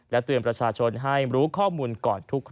เตือนประชาชนให้รู้ข้อมูลก่อนทุกข้อ